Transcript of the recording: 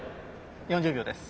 ４０秒です。